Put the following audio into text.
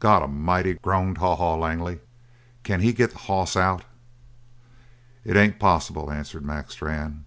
"God A'mighty," groaned Haw Haw Langley, "can he get the hoss out?" "It ain't possible," answered Mac Strann.